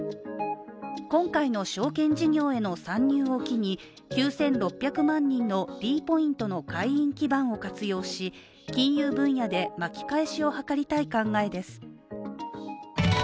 今回の証券事業への参入を機に９６００万人のｄポイントの会員基盤を活用し、金融分野で巻き返しを図りたい考えです。